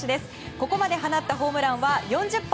ここまで放ったホームランは４０本。